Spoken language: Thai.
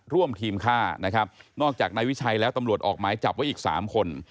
ร่วมทีมฆ่านะครับนอกจากนายวิชัยแล้วตำรวจออกหมายจับไว้อีก๓คน